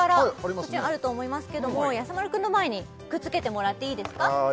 そっちにあると思いますけどもやさ丸くんの前にくっつけてもらっていいですか